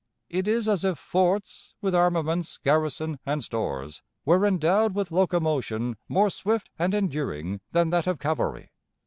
It is as if forts, with armaments, garrison, and stores, were endowed with locomotion more swift and enduring than that of cavalry.